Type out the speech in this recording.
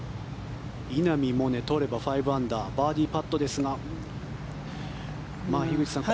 稲見萌寧取れば５アンダーバーディーパットですが樋口さん